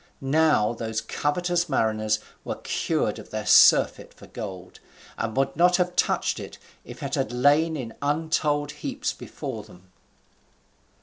Now those covetous mariners were cured of their surfeit for gold, and would not have touched it if it had lain in untold heaps before them.